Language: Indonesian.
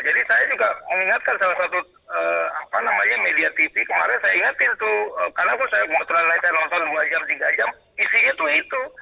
jadi saya juga mengingatkan salah satu media tv kemarin saya ingatin tuh karena saya nonton dua jam tiga jam isinya tuh itu